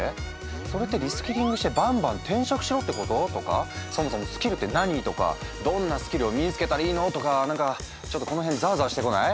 それってリスキリングしてバンバン転職しろってこと？とかそもそもスキルって何？とかどんなスキルを身につけたらいいの？とかなんかちょっとこの辺ざわざわしてこない？